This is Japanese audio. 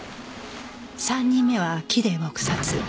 ３人目は木で撲殺。